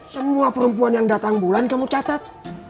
semua perempuan yang datang bulan kamu catat